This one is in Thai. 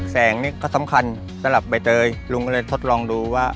แสงนี่ก็สำคัญสำหรับใบเตยลุงก็เลยทดลองดูว่า